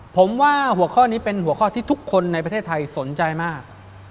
ผมว่าหัวข้อนี้เป็นหัวข้อที่ทุกคนในประเทศไทยสนใจมาก